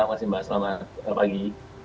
terima kasih mbak selamat pagi